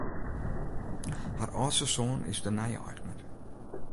Har âldste soan is de nije eigner.